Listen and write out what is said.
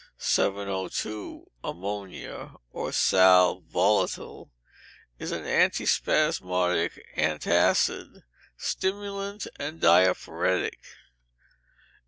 702. Ammonia. Ammonia, or Sal Volatile, is an antispasmodic antacid, stimulant and diaphoretic.